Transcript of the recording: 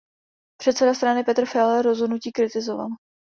Předseda strany Petr Fiala rozhodnutí kritizoval.